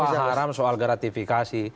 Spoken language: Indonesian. misalnya fatwa haram soal gratifikasi